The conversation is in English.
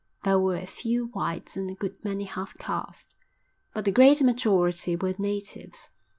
There were a few whites and a good many half castes, but the great majority were natives.